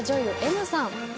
Ｍさん。